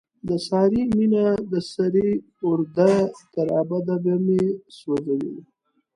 د سارې مینه د سرې اورده، تر ابده به مې سو ځوي.